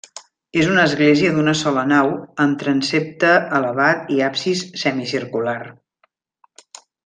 És una església d'una sola nau amb transsepte elevat i absis semicircular.